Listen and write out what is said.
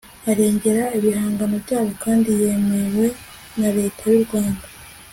Arengera ibihangano byabo kandi yemewe na leta yu Rwanda